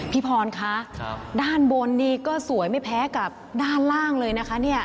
พี่พรคะด้านบนนี่ก็สวยไม่แพ้กับด้านล่างเลยนะคะเนี่ย